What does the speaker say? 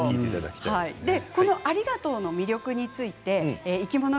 「ありがとう」の魅力についていきもの